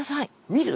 見る？